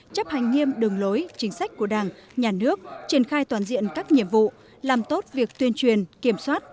chấp hành nghiêm đường lối chính sách của đảng nhà nước triển khai toàn diện các nhiệm vụ làm tốt việc tuyên truyền kiểm soát